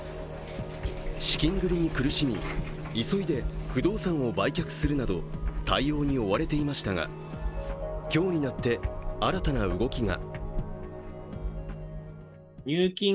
資金繰りに苦しみ、急いで不動産を売却するなど対応に追われていましたが、今日になって新たな動きが。